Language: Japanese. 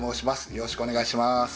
よろしくお願いします。